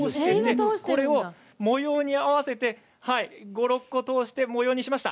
これを模様に合わせて５、６個通して模様にしました。